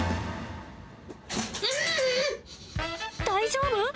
大丈夫？